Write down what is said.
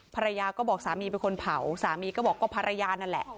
ภรรยาก็บอกสามีเป็นคนเผาสามีก็บอกก็ภรรยานั่นแหละ